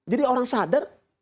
jadi orang sadar